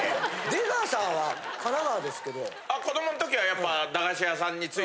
出川さんは神奈川ですけど。